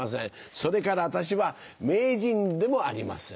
それから私は名人でもありません。